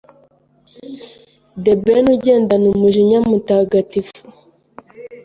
The Ben ugendana umujinya mutagatifu